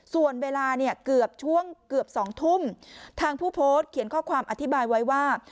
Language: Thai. ส่วนเวลาเนี่ยเกือบช่วงเกือบสองทุ่มทางผู้โพสต์เขียนข้อความอธิบายไว้ว่า